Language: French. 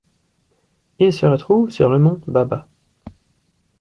Il se trouve sur le mont Baba.